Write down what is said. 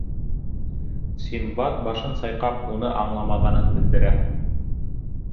Синдбад башын сайҡап, уны аңламағанын белдерә.